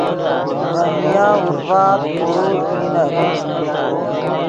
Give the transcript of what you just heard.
ڤے نیا اورڤآت قوروت نینت